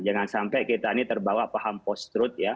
jangan sampai kita ini terbawa paham post truth ya